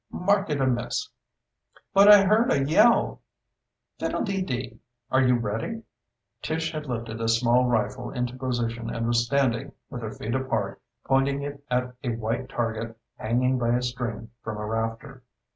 "Mark it a miss." "But I heard a yell " "Fiddle de dee! Are you ready?" Tish had lifted a small rifle into position and was standing, with her feet apart, pointing it at a white target hanging by a string from a rafter.